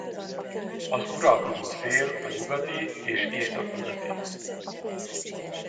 Az uralkodó szél a nyugati és északnyugati.